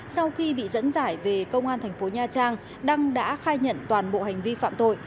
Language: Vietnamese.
sau khi bị dẫn giải về công an thành phố nha trang đăng đã khai nhận toàn bộ hành vi phạm tội